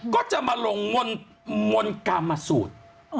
ก็จะมาลงมนต์กรรมสูตร